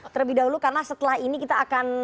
terlebih dahulu karena setelah ini kita akan